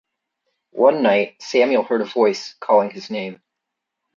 One night, Samuel heard a voice calling his name.